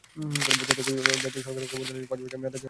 জাতীয় সরকার গভর্নরদের পাঁচ বছর মেয়াদের জন্য নিয়োগ দান করে।